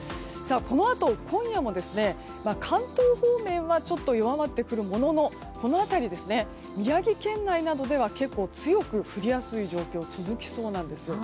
このあと今夜も、関東方面はちょっと弱まってくるものの宮城県内などでは強く降りやすい状況が続きそうなんです。